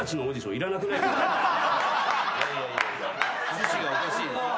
趣旨がおかしいです。